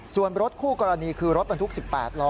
ส่วนรถคู่กรณีคือรถบรรทุก๑๘ล้อ